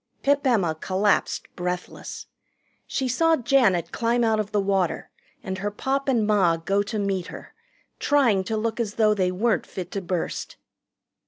Pip Emma collapsed breathless. She saw Janet climb out of the water and her Pop and Ma go to meet her, trying to look as though they weren't fit to burst.